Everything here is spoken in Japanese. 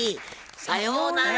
さようなら！